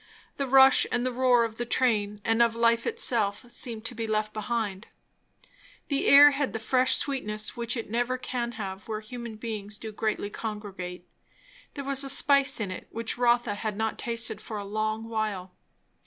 The rush and the roar of the train, and of life itself, seemed to be left behind; the air had the fresh sweetness which it never can have where human beings do greatly congregate; there was a spice in it which Rotha had not tasted for a long while.